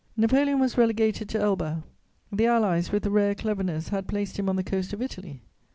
Napoleon was relegated to Elba; the Allies, with rare cleverness, had placed him on the coast of Italy.